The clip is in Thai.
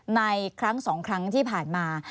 ในครั้ง๒ครั้งที่ผ่านมา